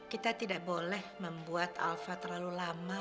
kita tidak boleh membuat alfa terlalu lama